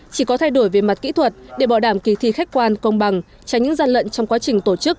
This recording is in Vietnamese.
chỉ có thay đổi về mặt kỹ thuật để bỏ đảm kỳ thi khách quan công bằng tránh những gian lận trong các trường